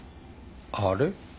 あれ？